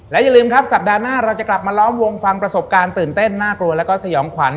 และอย่าลืมครับสัปดาห์หน้าเราจะกลับมาล้อมวงฟังประสบการณ์ตื่นเต้นน่ากลัวแล้วก็สยองขวัญ